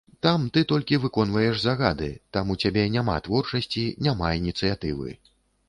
Там ты толькі выконваеш загады, там у цябе няма творчасці, няма ініцыятывы.